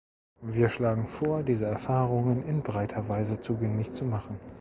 Wir schlagen vor, diese Erfahrungen in breiter Weise zugänglich zu machen.